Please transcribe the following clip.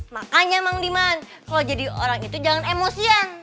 makanya emang diman kalo jadi orang itu jangan emosian